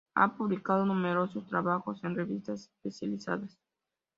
Ha publicado numerosos trabajos en revistas especializadas.